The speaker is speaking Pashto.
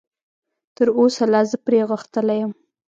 تراوسه لا زه پرې غښتلی یم.